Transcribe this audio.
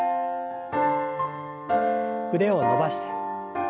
腕を伸ばして。